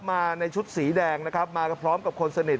มาในชุดสีแดงนะครับมาพร้อมกับคนสนิท